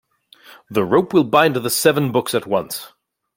The rope will bind the seven books at once.